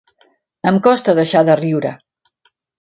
Em costa deixar de riure.